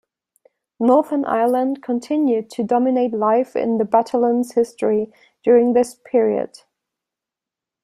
Northern Ireland continued to dominate life in the battalion's history and during this period.